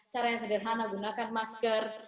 cara yang sederhana gunakan masker